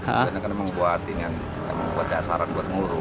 ini kan memang buat dasaran buat nguruk